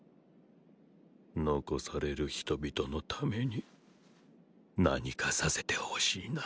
残される人々のために何かさせてほしいなぁ。